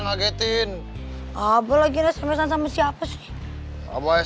aku lagi never memang ke siapa sih